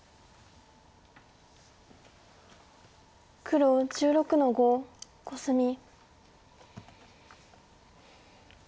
黒１６の五コスミ。